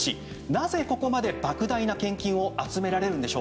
なぜ、ここまで莫大な献金を集められるのか。